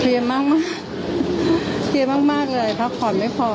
เทียบมากมากเทียบมากมากเลยค่ะขอร์ดไม่พอ